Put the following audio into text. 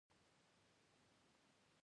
انار د هضم لپاره ښه دی.